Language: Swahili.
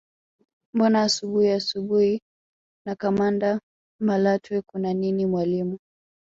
Mbona asubuhi asubuhi na kamanda Malatwe kuna nini mwalimu